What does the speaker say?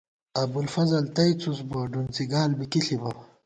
ابُوالفضل تئ څُس بُوَہ ، ڈُونڅِی گال بی کی ݪِبہ